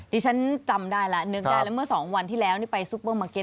ที่ฉันจำได้แล้วนึกได้แล้วเมื่อสองวันที่แล้วนี่ไปซุปเปอร์มาร์เก็